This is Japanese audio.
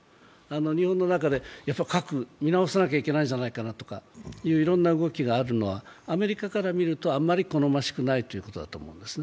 日本の中で核を見直さなければいけないんじゃないかとかいろんな動きがあるのは、アメリカから見るとあまり好ましくないということだと思います。